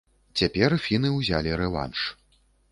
Цяпер фіны ўзялі рэванш.